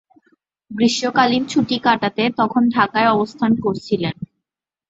গ্রীষ্মকালীন ছুটি কাটাতে তখন ঢাকায় অবস্থান করছিলেন।